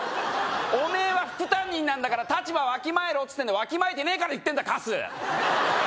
おめえは副担任なんだから立場わきまえろっつってんだわきまえてねえから言ってんだカス！